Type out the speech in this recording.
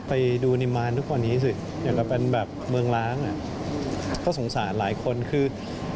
ไปดูนิมานทุกวันนี้สิอย่างเราเป็นแบบเมืองล้างอ่ะก็สงสารหลายคนคือ